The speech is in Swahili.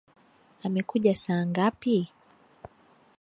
Amekuja saa ngapi?